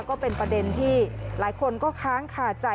ก็เป็นประเด็นที่หลายคนก็ค้างคาใจ